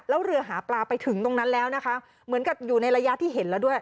แล้วเรือหาปลาไปถึงตรงนั้นแล้วนะคะเหมือนกับอยู่ในระยะที่เห็นแล้วด้วย